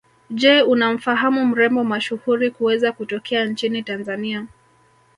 Je unamfahamu mrembo mashuhuri kuweza kutokea nchini Tanzania